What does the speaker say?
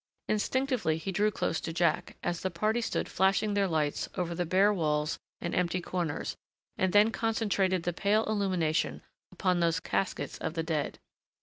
Instinctively he drew close to Jack, as the party stood flashing their lights over the bare walls and empty corners, and then concentrated the pale illumination upon those caskets of the dead.